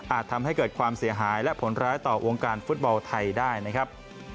ทำให้เกิดความเสียหายและผลร้ายต่อวงการฟุตบอลไทยได้นะครับ